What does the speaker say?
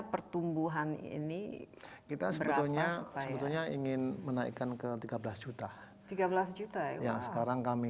pertumbuhan ini kita sebetulnya ingin menaikkan ke tiga belas juta tiga belas juta yang sekarang kami